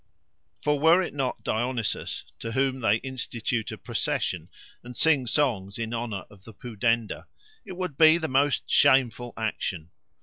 "For were it not Dionysus to whom they institute a procession and sing songs in honor of the pudenda, it would be the most shamful action," says Heraclitus.